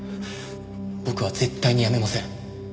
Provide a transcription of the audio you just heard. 僕は絶対に辞めません。